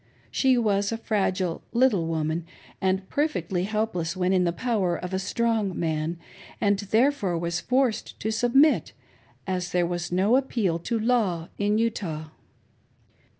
She was a fragile little woman and perfectly helpless when in the power of a strong man, and therefore was forced to submit, as there was no appeal to law in Utah.